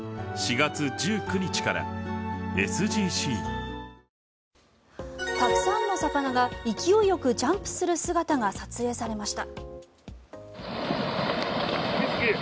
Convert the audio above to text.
東京海上日動たくさんの魚が勢いよくジャンプする姿が撮影されました。